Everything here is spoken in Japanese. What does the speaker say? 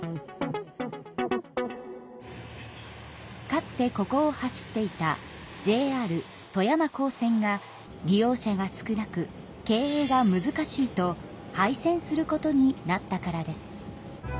かつてここを走っていたＪＲ富山港線が利用者が少なく経営がむずかしいと廃線することになったからです。